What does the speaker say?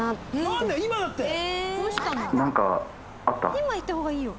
今行った方がいいよ。